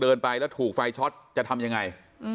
เดินไปแล้วถูกไฟช็อตจะทำยังไง